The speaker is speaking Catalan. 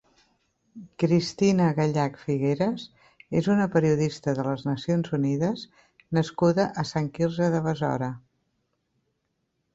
Cristina Gallach Figueres és una periodista de les Nacions Unides nascuda a Sant Quirze de Besora.